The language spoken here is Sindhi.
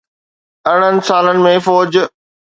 ارڙهن سالن ۾ فوج